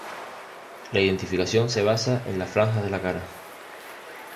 La identificación se basa en las franjas de la cara.